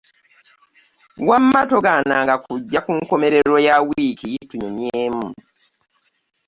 Wamma togaananga kujja ku nkomerero ya wiiki tunyumyemu.